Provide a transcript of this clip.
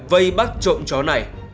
vây bắt trộm chó này